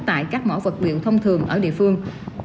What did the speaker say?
tại các mỏ vật liệu thông thường ở địa phương